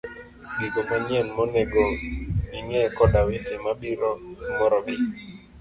gigo manyien monego ging'e, koda weche mabiro morogi.